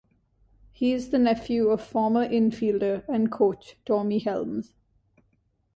He is the nephew of former infielder and coach Tommy Helms.